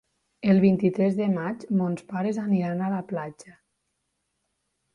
El vint-i-tres de maig mons pares aniran a la platja.